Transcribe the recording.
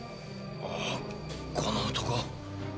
ああこの男。